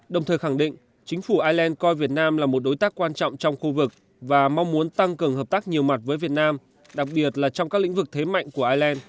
đồng thời khẳng định chính phủ ireland coi việt nam là một đối tác quan trọng trong khu vực và mong muốn tăng cường hợp tác nhiều mặt với việt nam đặc biệt là trong các lĩnh vực thế mạnh của ireland